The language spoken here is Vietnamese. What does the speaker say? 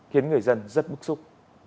khiến người dân rất bức xúc